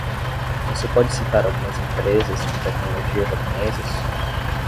Você pode citar algumas empresas de tecnologia japonesas?